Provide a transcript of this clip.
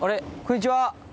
こんにちは。